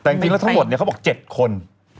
แต่จริงแล้วทั้งหมดเนี่ยเขาบอก๗คน